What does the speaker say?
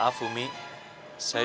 eh pilih siapa lu